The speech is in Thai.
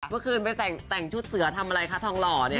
เมื่อคืนไปแต่งชุดเสือทำอะไรคะทองหล่อเนี่ย